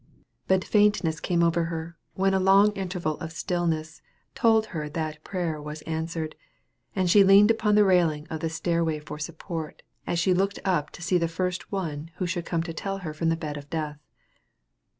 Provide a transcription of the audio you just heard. But a faintness came over her, when a long interval of stillness told that her prayer was answered; and she leaned upon the railing of the stairway for support, as she looked up to see the first one who should come to her from the bed of death.